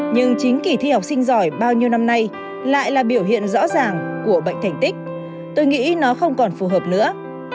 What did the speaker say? nhưng chính kỳ thi học sinh giỏi bao nhiêu năm nay lại là biểu hiện rõ ràng của bệnh thành tích tôi nghĩ nó không còn phù hợp nữa